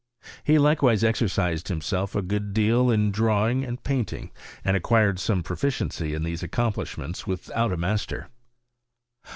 Ba likewise exercised himself a good deal in draw ing and painting, and acquired some profideucf in these accomplishments without a master.